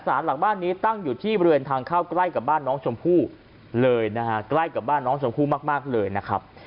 หลังบ้านนี้ตั้งอยู่ที่บริเวณทางเข้าใกล้กับบ้านน้องชมพู่เลยนะฮะใกล้กับบ้านน้องชมพู่มากเลยนะครับ